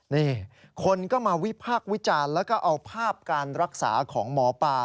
นี่คนก็มาวิพากษ์วิจารณ์แล้วก็เอาภาพการรักษาของหมอปลา